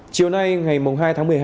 chiều nay ngày hai tháng một mươi hai